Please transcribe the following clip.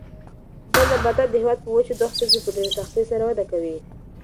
دا نباتات د هېواد په وچو دښتو کې په ډېر سختۍ سره وده کوي.